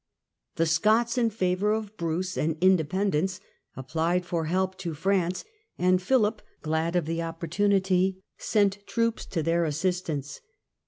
The Alliance Scots in favour of Bruce and independence applied for France and help to France, and Phihp, glad of the opportunity, sent '^°'^" troops to their assistance.